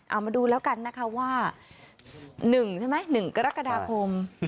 เอามาดูแล้วกันนะคะว่า๑ใช่ไหม๑กรกฎาคม